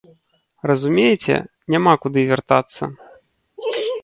Разумееце, няма куды вяртацца.